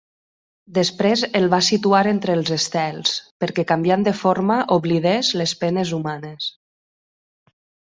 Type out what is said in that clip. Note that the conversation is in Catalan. Després el va situar entre els estels perquè canviant de forma oblidés les penes humanes.